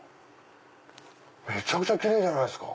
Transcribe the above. めちゃくちゃ奇麗じゃないですか。